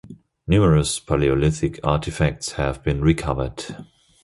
Numerous Paleolithic artifacts have been recovered.